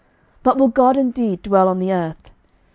11:008:027 But will God indeed dwell on the earth?